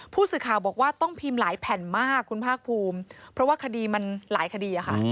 ผู้สื่อข่าวบอกว่าต้องพิมพ์หลายแผ่นมากคุณภาคภูมิเพราะว่าคดีมันหลายคดีอะค่ะ